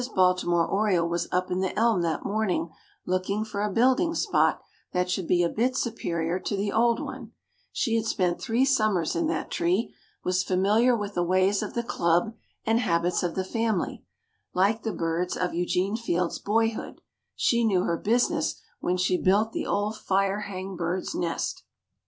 Baltimore Oriole was up in the elm that morning looking for a building spot that should be a bit superior to the old one; she had spent three summers in that tree, was familiar with the ways of the club, and habits of the family; like the birds of Eugene Field's boyhood, "she knew her business when she built the old fire hang bird's nest."